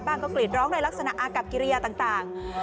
ก็กรีดร้องในลักษณะอากับกิริยาต่าง